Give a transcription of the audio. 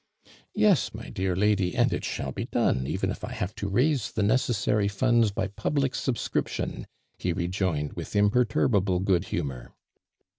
" Yea, my dear lady, and it shall be done, even if I have to raise the necessary funds by public subscription," he rejoined with imperturbable good humor.